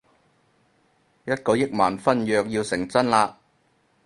一個億萬婚約要成真喇